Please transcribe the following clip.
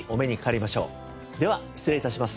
では失礼致します。